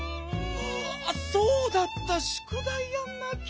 あっそうだったしゅくだいやんなきゃ。